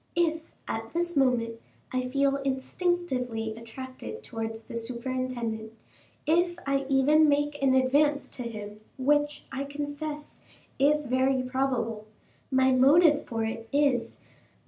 If, at this moment, I feel instinctively attracted towards the superintendent, if I even make an advance to him, which, I confess, is very probable, my motive for it is, that M.